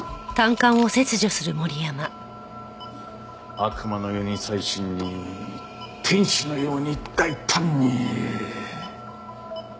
悪魔のように細心に天使のように大胆に！